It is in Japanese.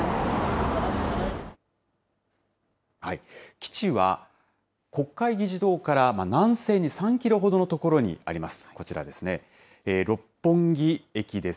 基地は、国会議事堂から南西に３キロほどの所にあります。